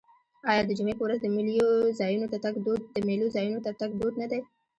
آیا د جمعې په ورځ د میلو ځایونو ته تګ دود نه دی؟